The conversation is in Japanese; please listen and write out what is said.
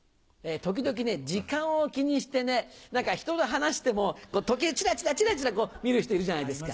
時々ね時間を気にしてね何か人と話しても時計チラチラチラチラ見る人いるじゃないですか。